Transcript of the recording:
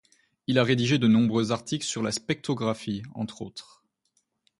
Il a rédigé de nombreux articles sur la spectrographie, entre autres.